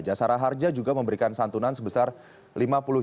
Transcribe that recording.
jasara harja juga memberikan santunan sebesar rp lima puluh juta